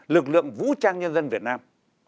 lực lượng vũ trang nhân dân việt nam